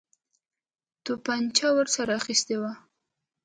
توپنچه ورسره اخیستې وه.